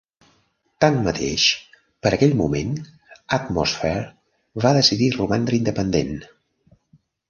Tanmateix, per aquell moment, Atmosphere va decidir romandre independent.